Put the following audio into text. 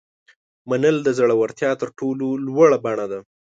منل د زړورتیا تر ټولو لوړه بڼه ده.